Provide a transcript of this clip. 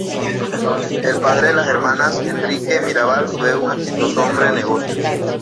El padre de las hermanas, Enrique Mirabal, fue un exitoso hombre de negocios.